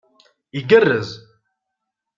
Igerrez